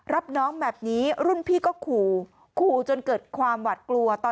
รับน้องแบบนี้รุ่นพี่ก็ขู่ขู่จนเกิดความหวัดกลัวต่อ